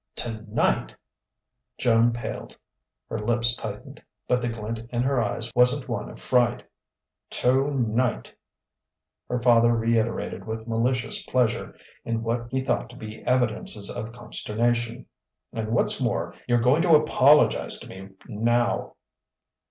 "Tonight!" Joan paled; her lips tightened; but the glint in her eyes wasn't one of fright. "Tonight!" her father reiterated with malicious pleasure in what he thought to be evidences of consternation. "And what's more, you're going to apologize to me now."